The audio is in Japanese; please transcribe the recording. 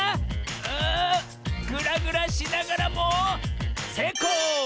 あグラグラしながらもせいこう！